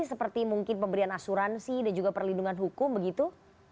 seperti mungkin pemberian asuransi dan juga perlindungan hukum begitu